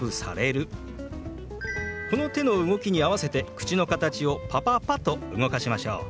この手の動きに合わせて口の形を「パパパ」と動かしましょう。